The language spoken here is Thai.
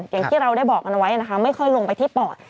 อย่างที่เราได้บอกกันไว้นะคะไม่ค่อยลงไปที่ปอด